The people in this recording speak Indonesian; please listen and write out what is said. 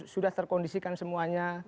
sudah terkondisikan semuanya